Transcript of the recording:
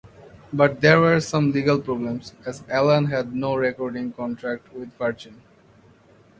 But there were some legal problems, as Allan had no recording contract with Virgin.